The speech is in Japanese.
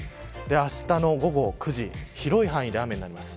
あしたの午後９時広い範囲で雨になります。